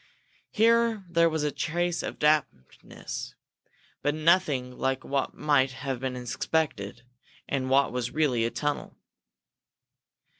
Here there was a trace of dampness, but nothing like what might have been expected in what was really a tunnel.